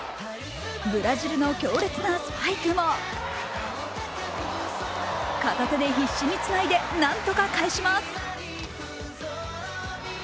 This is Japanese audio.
ブラジルの強烈なスパイクも片手で必死につないで何とか返します。